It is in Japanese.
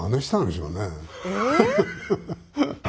ハハハハ。